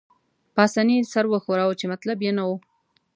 پاسیني سر وښوراوه، چې مطلب يې نه وو.